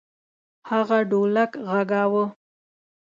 هغه ډولک غږاوه.